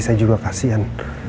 saya juga kasihan